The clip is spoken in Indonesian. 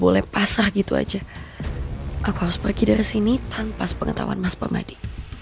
oleh pasar gitu aja aku harus pergi dari sini tanpa pengetahuan mas pamadi